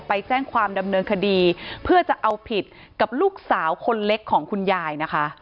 ไปแจ้งความดำเนินคดีเพื่อจะเอาผิดกับลูกสาวคนเล็กของคุณยายนะคะ